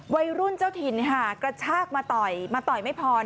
วัยรุ่นเจ้าถิ่นกระชากมาต่อยมาต่อยไม่พอ